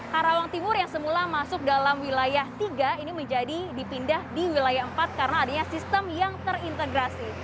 karawang timur yang semula masuk dalam wilayah tiga ini menjadi dipindah di wilayah empat karena adanya sistem yang terintegrasi